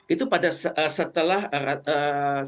itu pada setelah ratu elizabeth ii